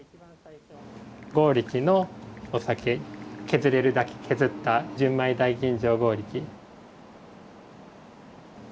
強力のお酒削れるだけ削った純米大吟醸強力。